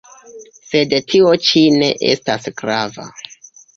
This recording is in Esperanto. Sed tio ĉi ne estas grava.